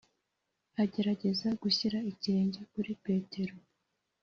agerageza gushyira ikirenge kuri petero,